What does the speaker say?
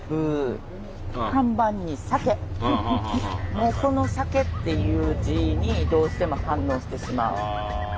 もうこの酒っていう字にどうしても反応してしまう。